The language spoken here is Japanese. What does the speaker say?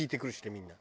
みんな。